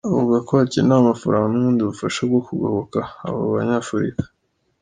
Avuga ko hakenewe amafaranga n’ubundi bufasha bwo kugoboka abo Banyafurika.